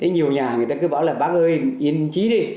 nhiều nhà người ta cứ bảo là bác ơi yên trí đi